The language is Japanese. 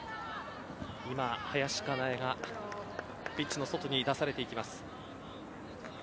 今、林香奈絵がピッチの外に出されていきます。